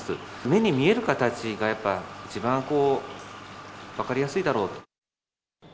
目に見える形がやっぱ、一番分かりやすいだろうと。